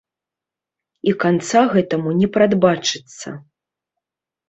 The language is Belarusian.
І канца гэтаму не прадбачыцца.